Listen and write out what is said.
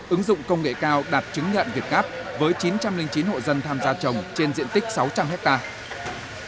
ứng dụng công nghệ cao đạt chứng nhận việt gáp với chín trăm linh chín hộ dân tham gia trồng trên diện tích sáu trăm linh hectare